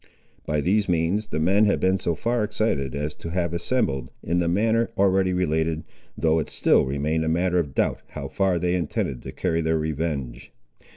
By these means the men had been so far excited as to have assembled, in the manner already related, though it still remained a matter of doubt how far they intended to carry their revenge.